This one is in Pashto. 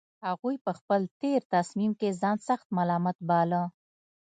هغوی په خپل تېر تصميم کې ځان سخت ملامت باله